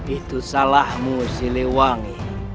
itu salahmu siliwangi